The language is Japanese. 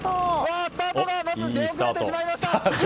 スタートがまず出遅れてしまいました！